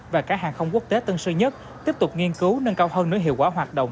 và cả hàng không quốc tế tân sơn nhất tiếp tục nghiên cứu nâng cao hơn nửa hiệu quả hoạt động